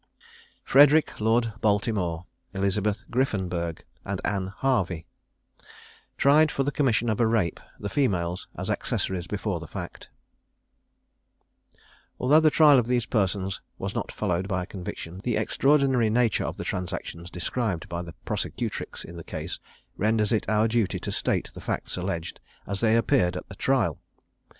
FREDERIC, LORD BALTIMORE; ELIZABETH GRIFFENBURG; AND ANNE HARVEY. TRIED FOR THE COMMISSION OF A RAPE, THE FEMALES AS ACCESSORIES BEFORE THE FACT. Although the trial of these persons was not followed by a conviction, the extraordinary nature of the transactions described by the prosecutrix in the case renders it our duty to state the facts alleged as they appeared at the trial.